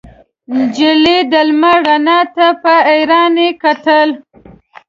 نجلۍ د لمر رڼا ته په حيرانۍ کتل.